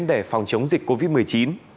để phòng chống dịch covid một mươi chín